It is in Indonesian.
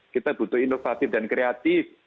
kita butuh inovatif dan kreatif